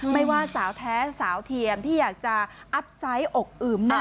ไม่ว่าสาวแท้สาวเทียมที่อยากจะอัพไซดอกอึม